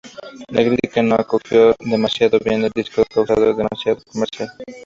La crítica no acogió demasiado bien el disco acusando de demasiado comercial.